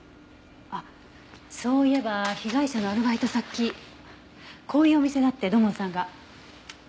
あっそういえば被害者のアルバイト先こういうお店だって土門さんが。関係あります？